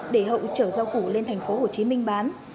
để hậu trở giao củ lên thành phố hồ chí minh bán